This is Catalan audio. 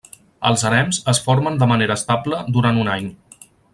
Els harems es formen de manera estable durant un any.